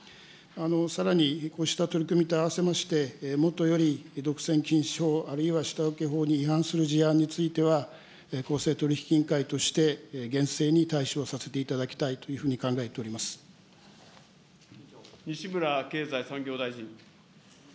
さらに、こうした取り組みと合わせまして、もとより独占禁止法、あるいは下請法に違反する事案については、公正取引委員会として厳正に対処させていただきたいというふうに西村経済産業大臣。